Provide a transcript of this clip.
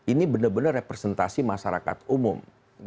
ini benar benar representasi masyarakat umum